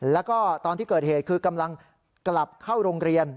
แล้วก็ตอนที่เกิดเหตุคือกำลังกลับเข้าโรงเรียน